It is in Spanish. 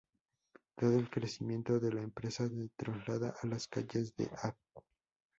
Dado el crecimiento de la empresa se traslada a las calles de Av.